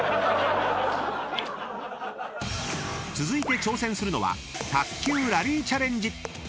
［続いて挑戦するのは卓球ラリーチャレンジ］